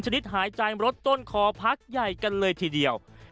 หายใจรถต้นคอพักใหญ่กันเลยทีเดียว